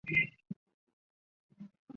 市内大多数地区都是乡村风光。